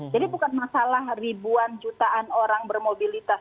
bukan masalah ribuan jutaan orang bermobilitas